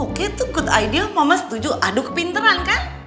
oke itu good idea mama setuju adu kepinteran kan